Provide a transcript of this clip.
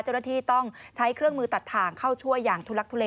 เจ้าหน้าที่ต้องใช้เครื่องมือตัดทางเข้าช่วยอย่างทุลักทุเล